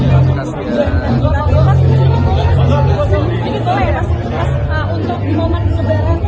sama aja sih dari tahun tahun sebelumnya